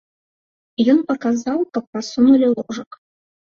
Ён паказаў, каб пасунулі ложак.